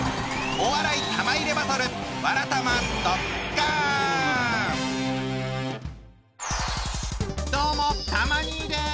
お笑い玉入れバトルどうもたま兄です。